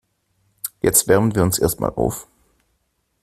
Jetzt wärmen wir uns erstmal auf.